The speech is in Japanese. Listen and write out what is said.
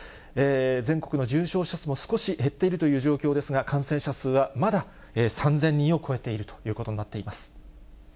全国の重症者数も少し減っているという状況ですが、感染者数はまだ３０００人を超えているということになっています。